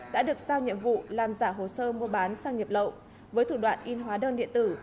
đã được sao nhiệm vụ làm giả hồ sơ mua bán sang nhập lậu với thủ đoạn in hóa đơn điện tử